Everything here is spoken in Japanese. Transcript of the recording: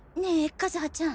和葉ちゃん？